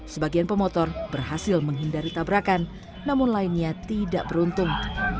sebagian pemotor berhasil menghindari tabrakan namun lainnya tidak beruntung